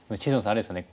あれですね